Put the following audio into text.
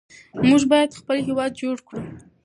موږ باید خپل هېواد جوړ کړو.